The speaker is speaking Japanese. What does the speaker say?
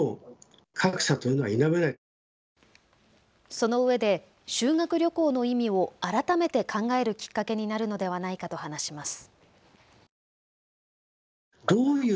そのうえで修学旅行の意味を改めて考えるきっかけになるのではないかと話します。